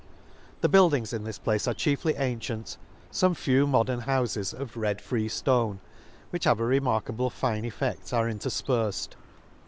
The buildings in this place are chiefly antient ; fome few modern houfes of red free the Lake s. m free ftone, which have a remarkable fine effed, are interfperfed.